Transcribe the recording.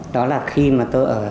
đó là khi mà tôi ở chiến quân